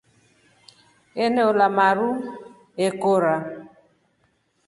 Eneola maru ekora.